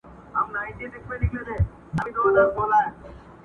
نیمګړي عمر ته مي ورځي د پېغور پاته دي.!